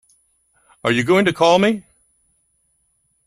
Are you going to call me?